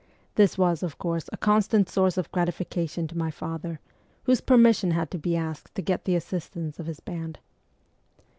This was, of course, a constant source of gratification to my father, whose permission had to be asked to get the assistance of his band.